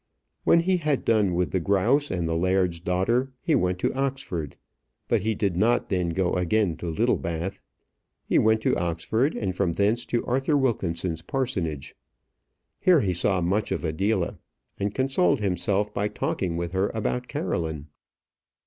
When he had done with the grouse and the laird's daughter he went to Oxford, but he did not then go again to Littlebath. He went to Oxford, and from thence to Arthur Wilkinson's parsonage. Here he saw much of Adela; and consoled himself by talking with her about Caroline.